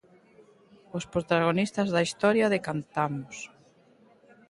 Os protagonistas da historia de Cantamos?